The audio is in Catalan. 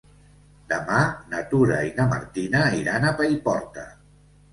Demà na Tura i na Martina iran a Paiporta.